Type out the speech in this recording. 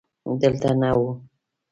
دلته نه و.